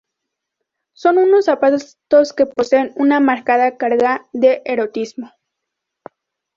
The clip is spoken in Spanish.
Son unos zapatos que poseen un marcada carga de erotismo.